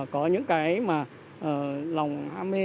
có những cái mà lòng ham mê